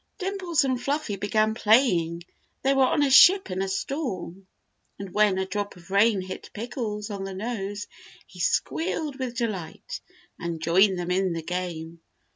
Dimples and Fluffy began playing they were on a ship in a storm, and when a drop of rain hit Pickles on the nose he squealed with delight, and joined them in the game.